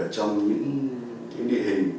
trong những địa hình